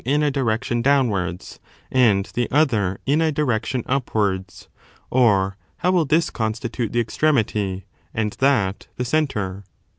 309 direction downwards^ and the other in a direction upwards 9 or how will this constitute the extremity, and that the centre?